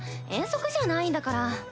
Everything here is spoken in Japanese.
遠足じゃないんだから。